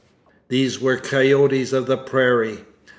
These were coyotes of the prairie.